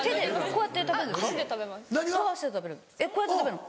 こうやって食べるの？